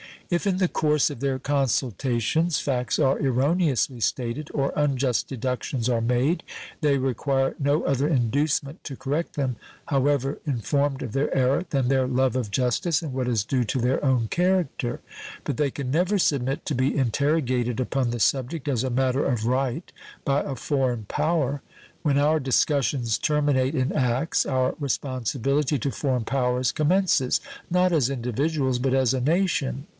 If in the course of their consultations facts are erroneously stated or unjust deductions are made, they require no other inducement to correct them, however informed of their error, than their love of justice and what is due to their own character; but they can never submit to be interrogated upon the subject as a matter of right by a foreign power. When our discussions terminate in acts, our responsibility to foreign powers commences, not as individuals, but as a nation.